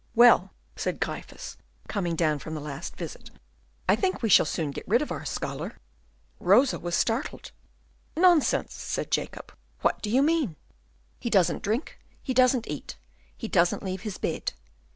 "Well," said Gryphus, coming down from the last visit, "I think we shall soon get rid of our scholar." Rosa was startled. "Nonsense!" said Jacob. "What do you mean?" "He doesn't drink, he doesn't eat, he doesn't leave his bed.